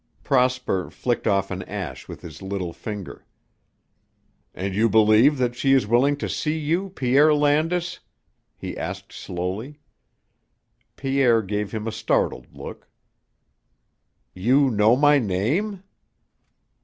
Prosper flicked off an ash with his little finger. "And you believe that she is willing to see you, Pierre Landis?" he asked slowly. Pierre gave him a startled look. "You know my name?"